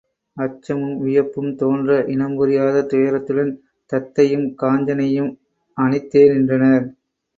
அச்சமும் வியப்பும் தோன்ற இனம் புரியாத துயரத்துடன் தத்தையும் காஞ்சனையும் அணித்தே நின்றனர்.